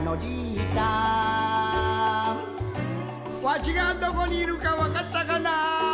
わしがどこにいるかわかったかな？